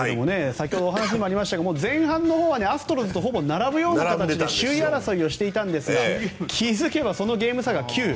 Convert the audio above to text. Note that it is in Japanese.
先ほどお話にもありましたが前半はアストロズと並ぶような形で首位争いをしていたんですが気づけばそのゲーム差が９。